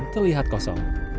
bensin terlihat kosong